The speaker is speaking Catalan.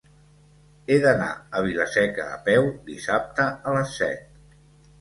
He d'anar a Vila-seca a peu dissabte a les set.